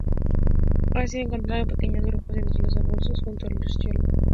Ha sido encontrado en pequeños grupos entre los arbustos junto a un riachuelo.